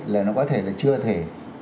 là nó có thể là chưa thể